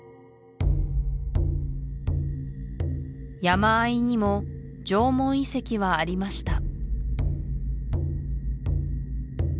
山あいにも縄文遺跡はありました